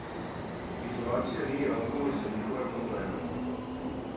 Изолација није одговор за њихове проблеме.